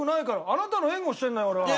あなたの援護をしてるのよ俺は。